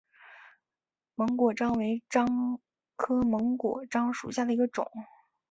檬果樟为樟科檬果樟属下的一个种。